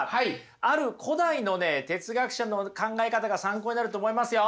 ある古代のね哲学者の考え方が参考になると思いますよ。